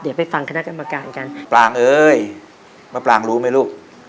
เดี๋ยวไปฟังคณะกรรมการกันปลางเอ้ยมะปรางรู้ไหมลูก